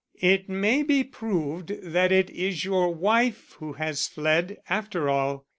It may be proved that it is your wife who has fled, after all.